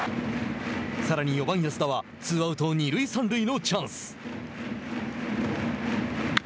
さらに４番安田はツーアウト、二塁三塁のチャンス。